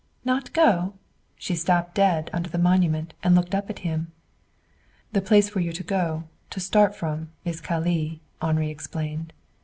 "Not go!" She stopped dead, under the monument, and looked up at him. "The place for you to go, to start from, is Calais," Henri explained.